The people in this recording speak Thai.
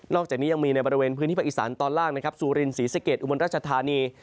อกจากนี้ยังมีในบริเวณพื้นที่ภาคอีสานตอนล่างนะครับซูรินศรีสะเกดอุบลราชธานี